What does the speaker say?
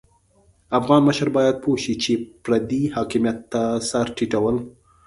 افغان مشر بايد پوه شي چې پردي حاکميت ته سر ټيټول.